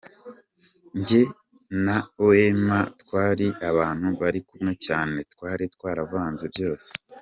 Njye na Wema twari abantu bari kumwe cyane, twari twaravanze byose.